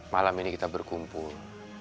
malam ini kita berkumpul